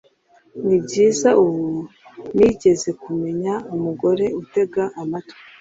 nibyiza ubu nigeze kumenya umugore utega amatwi